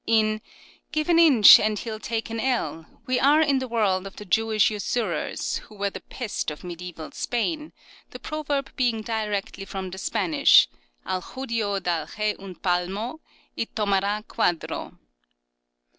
In " Give an inch and he'll take an ell " we are in the world of the Jewish usurers who were the pest of mediaeval Spain, the proverb being directly from the Spanish, " Al Judio da lhe un palmo, y tomar^ quadro."